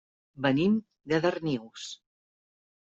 Venim de Darnius.